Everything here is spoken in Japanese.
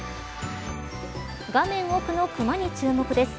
画面奥のクマに注目です。